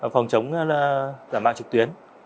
phòng chống giảm mạng trực tuyến